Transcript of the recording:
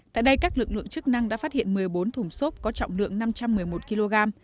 tại đây các lực lượng chức năng đã phát hiện một mươi bốn thùng xốp có trọng lượng năm trăm một mươi một kg